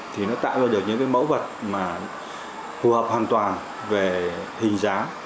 thì nó tạo ra được những cái mẫu vật mà phù hợp hoàn toàn về hình giá